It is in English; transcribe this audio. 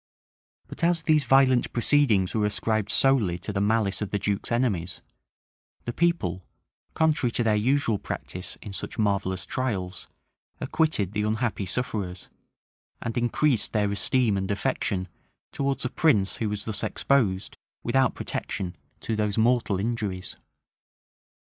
[*] But as these violent proceedings were ascribed solely to the malice of the duke's enemies, the people, contrary to their usual practice in such marvellous trials, acquitted the unhappy sufferers; and increased their esteem and affection towards a prince who was thus exposed, without protection, to those mortal injuries.